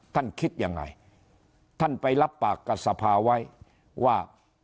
คิดยังไงท่านไปรับปากกับสภาไว้ว่า